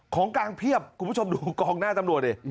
ของกลางเพียบคุณผู้ชมดูกองหน้าตำรวจดิ